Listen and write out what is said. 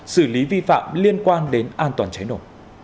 xử lý vi phạm liên quan đến an toàn cháy nổ